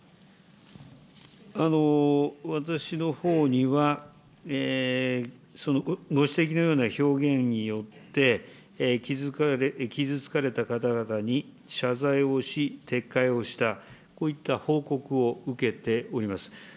私のほうには、そのご指摘のような表現によって、傷つかれた方々に謝罪をし、撤回をした、こういった報告を受けております。